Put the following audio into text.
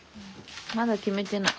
まだ決めてない。